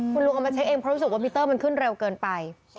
คุณลุงเอามาเช็คเองเพราะรู้สึกว่ามิเตอร์มันขึ้นเร็วเกินไป